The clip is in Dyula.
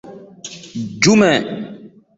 Jumɛn?